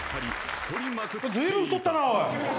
ずいぶん太ったなおい。